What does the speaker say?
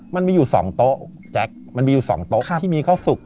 มันมีอยู่๒โต๊ะแจ๊คมันมีอยู่๒โต๊ะที่มีข้าวสุก